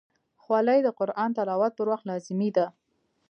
خولۍ د قرآن تلاوت پر وخت لازمي ده.